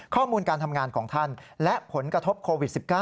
ข้อมูลการทำงานของท่านและผลกระทบโควิด๑๙